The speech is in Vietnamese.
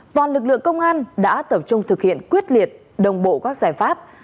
toàn lực lượng công an đã tập trung thực hiện quyết liệt đồng bộ các giải pháp